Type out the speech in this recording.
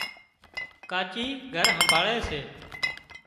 ڪاچِي گھر همڀاۯي سي